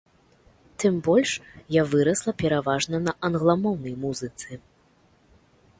Тым больш я вырасла пераважна на англамоўнай музыцы.